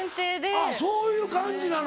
あっそういう感じなの？